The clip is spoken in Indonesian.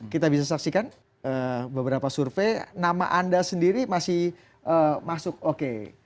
kita bisa saksikan beberapa survei nama anda sendiri masih masuk oke